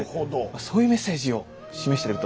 そういうメッセージを示してると思います。